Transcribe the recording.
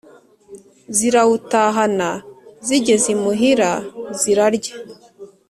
zirawutahana zigeze imuhira zirarya,